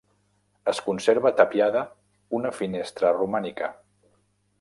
Es conserva tapiada una finestra romànica.